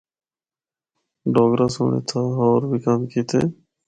ڈوگرہ سنڑ اِتھا ہور بھی کم کیتے۔